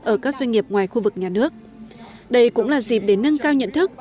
ở các doanh nghiệp ngoài khu vực nhà nước đây cũng là dịp để nâng cao nhận thức